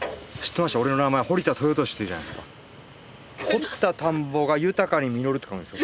「掘った田んぼが豊かに稔る」って書くんですよ。